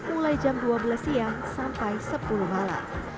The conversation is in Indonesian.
mulai jam dua belas siang sampai sepuluh malam